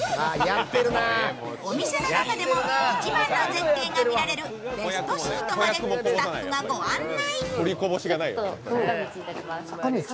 お店の中でも一番の絶景が見られるベストシートまでスタッフが御案内。